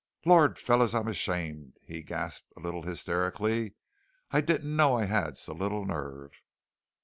"Lord, fellows! I'm ashamed," he gasped a little hysterically. "I didn't know I had so little nerve!"